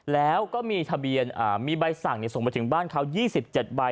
แล้วก็มีทะเบียนอ่ามีใบสั่งเนี่ยส่งมาถึงบ้านเขายี่สิบเจ็บไบ